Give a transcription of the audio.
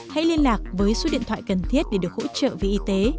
hãy liên lạc với số điện thoại cần thiết để được hỗ trợ về y tế